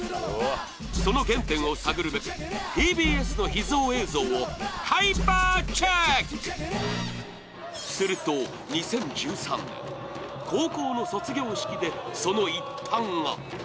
その原点を探るべくＴＢＳの秘蔵映像をハイパーチェックすると２０１３年、高校の卒業式でその一端が。